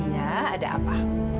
ya ada apa